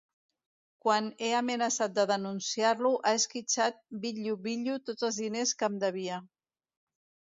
Quan he amenaçat de denunciar-lo ha esquitxat bitllo-bitllo tots els diners que em devia.